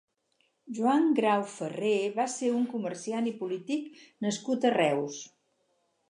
Joan Grau Ferrer va ser un comerciant i polític nascut a Reus.